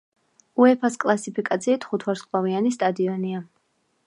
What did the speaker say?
უეფას კლასიფიკაციით ხუთვარსკვლავიანი სტადიონია.